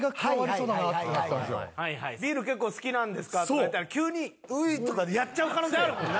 ビール結構好きなんですか？とか言われたら急に「うい」とかやっちゃう可能性あるもんな。